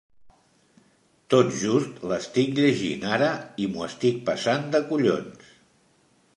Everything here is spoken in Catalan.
Tot just l'estic llegint ara i m'ho estic passant de collons.